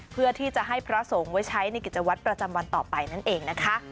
เพื่อที่จะให้พระสงฆ์ไว้ใช้ในกิจวัตรประจำวันต่อไปนั่นเองนะคะ